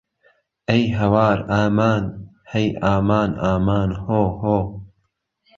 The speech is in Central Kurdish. ئەی ههوار ئامان هەی ئامان ئامان هۆ هۆ